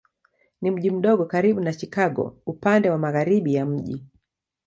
Ni mji mdogo karibu na Chicago upande wa magharibi ya mji.